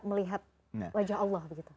melihat wajah allah begitu